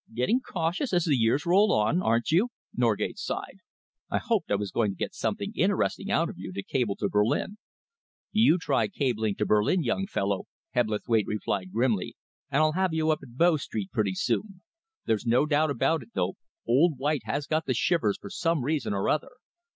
"Getting cautious as the years roll on, aren't you?" Norgate sighed. "I hoped I was going to get something interesting out of you to cable to Berlin." "You try cabling to Berlin, young fellow," Hebblethwaite replied grimly, "and I'll have you up at Bow Street pretty soon! There's no doubt about it, though, old White has got the shivers for some reason or other.